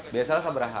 biasanya sabra atta